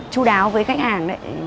chú đáo với khách hàng